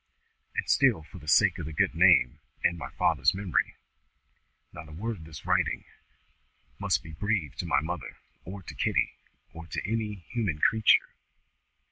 And still for the sake of the Good Name, and my father's memory, not a word of this writing must be breathed to my mother, or to Kitty, or to any human creature.